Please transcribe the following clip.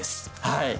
はい。